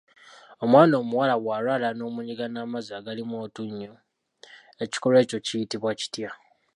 Omwana omuwala bwalwala n'omunyiga n'amazzi agalimu otunnyu, ekikolwa ekyo kiyitibwa kitya?